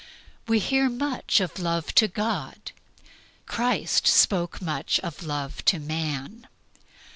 We hear much of love to God; Christ spoke much of love to man.